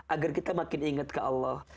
agar kita makin ingat ke allah